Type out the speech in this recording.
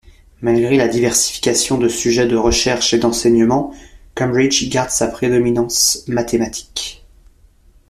Malgré la diversification de sujets de recherche et d'enseignement, Cambridge garde sa prédominance mathématique.